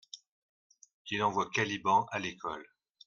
Il envoie Caliban à l'école.